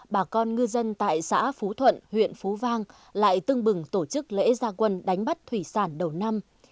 bà con ngư dân tại xã phú thuận huyện phú vang lại tưng bừng tổ chức lễ gia quân đánh bắt thủy sản đầu năm